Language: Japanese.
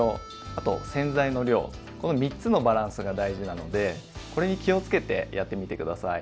あと洗剤の量この３つのバランスが大事なのでこれに気をつけてやってみて下さい。